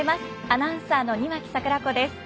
アナウンサーの庭木櫻子です。